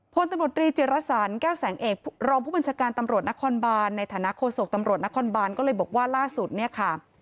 พลตำรวจรีจิรสันแก้วแสงเอกรองผู้บัญชาการตำรวจนครบานในฐานะโฆษกตำรวจนครบานก็เลยบอกว่าล่าสุดเนี่ยค่ะ